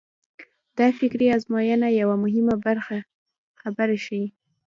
دا فکري ازموینه یوه مهمه خبره ښيي.